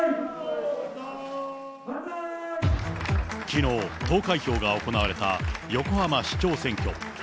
きのう、投開票が行われた横浜市長選挙。